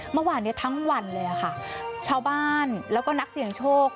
เมื่อวานนี้ทั้งวันเลยค่ะชาวบ้านแล้วก็นักเสี่ยงโชค